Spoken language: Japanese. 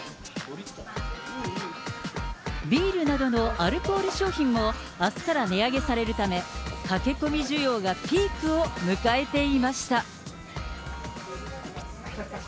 ビールなどのアルコール商品もあすから値上げされるため、駆け込み需要がピークを迎えていました。